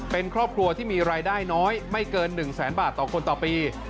เป็นครอบครัวที่มีรายได้น้อยไม่เกิน๑แสนบาทต่อคนต่อปี